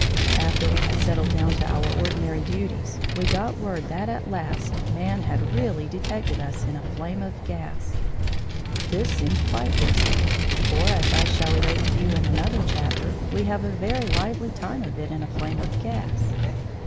After we had settled down to our ordinary duties, we got word that at last man had really detected us in a flame of gas. This seemed quite reasonable, for, as I shall relate to you in another chapter, we have a very lively time of it in a flame of gas.